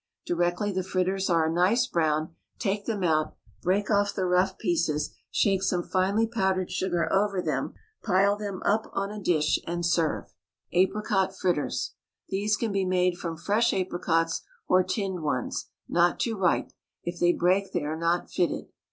Directly the fritters are a nice brown, take them out, break off the rough pieces, shake some finely powdered sugar over them, pile them up on a dish, and serve. APRICOT FRITTERS. These can be made from fresh apricots or tinned ones, not too ripe; if they break they are not fitted.